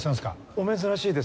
お珍しいですね。